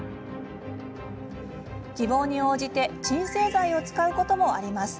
希望に応じて鎮静剤を使うこともあります。